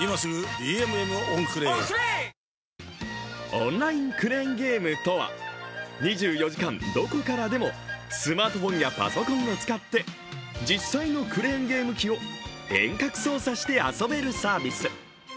オンラインクレーンゲームとは２４時間どこからでも、スマートフォンやパソコンを使って、実際のクレーンゲーム機を遠隔操作して遊べるサービス。